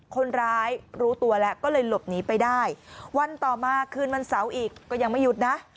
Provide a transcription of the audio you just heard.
คนร้ายรู้ตัวแล้วก็เลยหลบหนีไปได้วันต่อมาคืนวันเสาร์อีกก็ยังไม่หยุดนะ